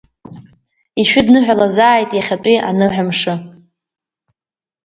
Ишәыдныҳәалазааит иахьатәи аныҳәа мшы!